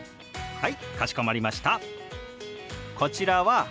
はい！